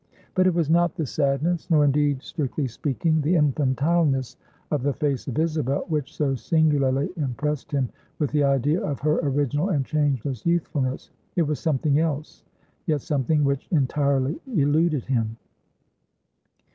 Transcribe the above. But it was not the sadness, nor indeed, strictly speaking, the infantileness of the face of Isabel which so singularly impressed him with the idea of her original and changeless youthfulness. It was something else; yet something which entirely eluded him.